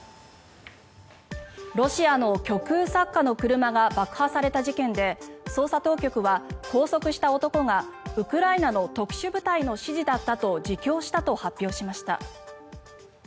ロシアの極右作家の車が爆破された事件で捜査当局は拘束した男がウクライナの特殊部隊の指示だったと自供したと発表しました。